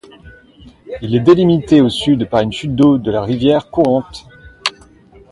Il est délimité au sud par une chute d'eau de la Rivière Courante.